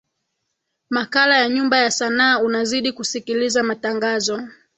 makala ya nyumba ya sanaa unazidi kusikiliza matangazo